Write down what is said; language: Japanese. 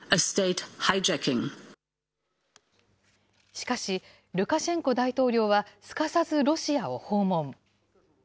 しかし、ルカシェンコ大統領はすかさずロシアを訪問。